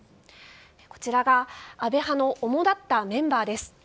こちらが安倍派の主だったメンバーです。